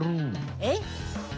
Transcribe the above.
えっ？